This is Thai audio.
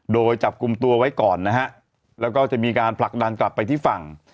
โดยจับกลุ่มตัวไว้ก่อนนะฮะแล้วก็จะมีการผลักดันกลับไปที่ฝั่ง